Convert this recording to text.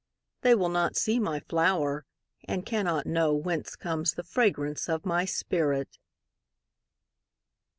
They will not see my flower, And cannot knowWhence comes the fragrance of my spirit!